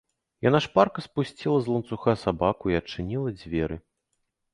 Яна шпарка спусціла з ланцуга сабаку і адчыніла дзверы.